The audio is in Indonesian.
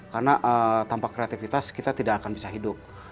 karena tanpa kreativitas kita tidak akan bisa hidup